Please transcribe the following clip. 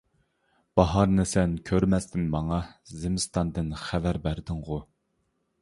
باھارنى سەن كۆرمەستىن ماڭا، زىمىستاندىن خەۋەر بەردىڭغۇ.